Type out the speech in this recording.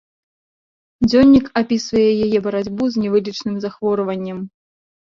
Дзённік апісвае яе барацьбу з невылечным захворваннем.